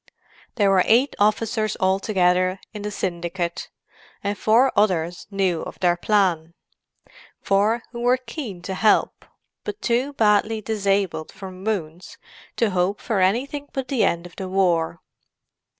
There were eight officers altogether in the "syndicate," and four others knew of their plan—four who were keen to help, but too badly disabled from wounds to hope for anything but the end of the war.